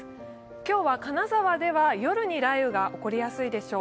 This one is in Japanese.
今日は金沢では夜に雷雨が起こりやすいでしょう。